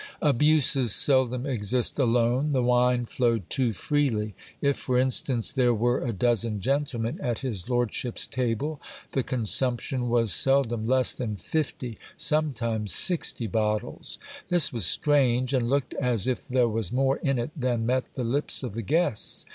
Abuses seldom exist alone. The wine flowed too freely. If, for instance, GIL BLAS CONDUCT AS STEWARD. i j\ there were a dozen gentlemen at his lordship's table, the consumption was sel dom less than fifty, sometimes sixty bottles. This was strange ; and looked as if there was more in it than met the lips of the guests.